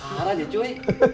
marah dia cuy